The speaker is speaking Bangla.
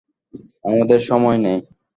আমাদের সময় নেই।